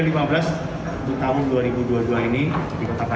di tahun dua ribu dua puluh dua ini di kota padang